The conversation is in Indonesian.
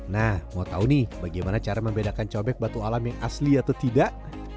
nah mau tahu nih bagaimana cara membedakan cobek batu alam yang asli atau tidak